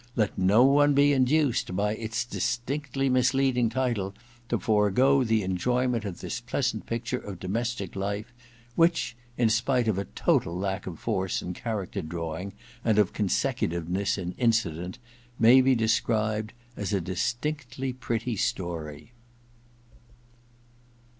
Let no one be induced by its distinctly misleading title to forego the enjoy ment of this pleasant picture of domestic lire, which, in spite of a total lack of force in character drawing and of consecutiveness in incident, may be described as a distinctly pretty story."